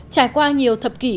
trải qua nhiều thập kỷ